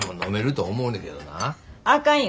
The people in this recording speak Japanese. あかんよ。